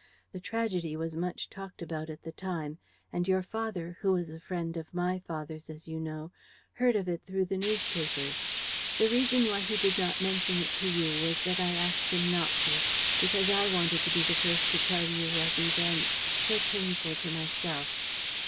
The tragedy was much talked about at the time; and your father, who was a friend of my father's, as you know, heard of it through the newspapers. The reason why he did not mention it to you was that I asked him not to, because I wanted to be the first to tell you of events ... so painful to myself."